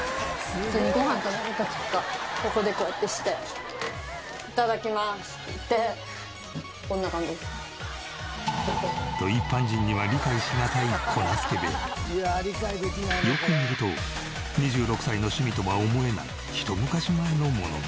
普通にご飯食べる時とかここでこうやってして。と一般人にはよく見ると２６歳の趣味とは思えないひと昔前のものが。